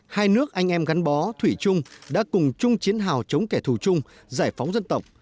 hai nước anh em gắn bó thủy chung đã cùng chung chiến hào chống kẻ thù chung giải phóng dân tộc